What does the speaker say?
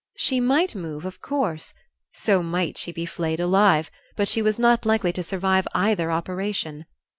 She might move, of course; so might she be flayed alive; but she was not likely to survive either operation.